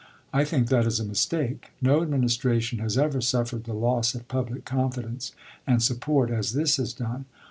I think that is a mistake. No adminis tration has ever suffered the loss of public confidence and support as this has done.